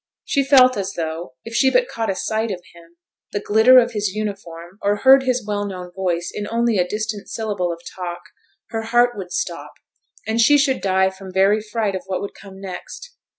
She felt as though, if she but caught a sight of him, the glitter of his uniform, or heard his well known voice in only a distant syllable of talk, her heart would stop, and she should die from very fright of what would come next.